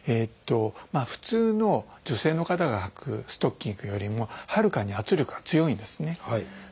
普通の女性の方がはくストッキングよりもはるかに圧力が強いんですね。